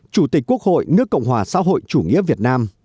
chủ tịch quốc hội nước cộng hòa xã hội chủ nghĩa việt nam